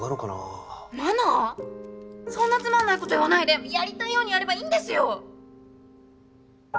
そんなつまんないこと言わないでやりたいようにやればいいんですよ！